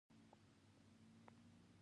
د پسرلي باران د خاورې بوی تازه کوي.